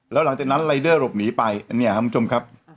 แล้วหลังจากนั้นรายเดอร์หลบหนีไปเนี่ยครับคุณผู้ชมครับ